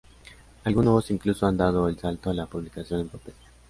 Algunos incluso han dado el salto a la publicación en papel.